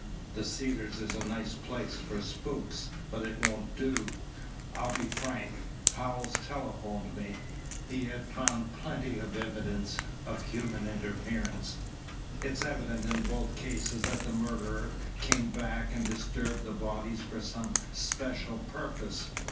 "The Cedars is a nice place for spooks, but it won't do. I'll be frank. Howells telephoned me. He had found plenty of evidence of human interference. It's evident in both cases that the murderer came back and disturbed the bodies for some special purpose.